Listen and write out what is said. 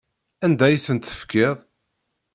Anda ay tent-tefkiḍ?